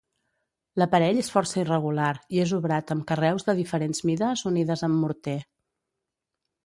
L'aparell és força irregular i és obrat amb carreus de diferents mides unides amb morter.